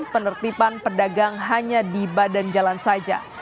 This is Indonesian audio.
penertiban pedagang hanya di badan jalan saja